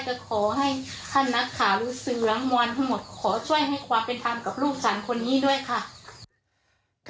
ขอช่วยให้ความเป็นทางกับลูกสาวคนนี้ด้วยค่ะ